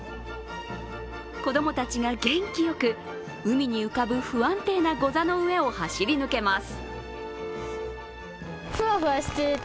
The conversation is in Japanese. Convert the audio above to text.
子供たちが元気よく海に浮かぶ不安定なゴザの上を走り抜けます。